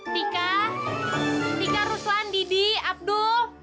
tika tika ruslan didi abdul